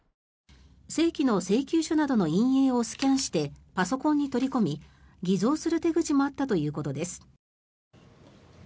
正規の請求書などの印影などをスキャンしてパソコンに取り込み偽造する手口もあったということです。